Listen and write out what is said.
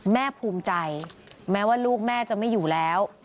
แม่ภูมิใจแม้ว่าลูกแม่จะไม่อยู่แล้ว